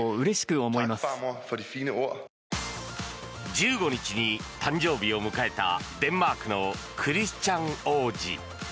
１５日に誕生日を迎えたデンマークのクリスチャン王子。